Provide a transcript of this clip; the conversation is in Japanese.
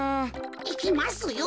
いきますよ。